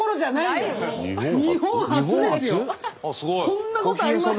こんなことあります？